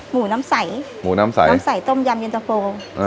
หมูน้ำใสหมูน้ำใสน้ำใสต้มยำเย็นตะโฟ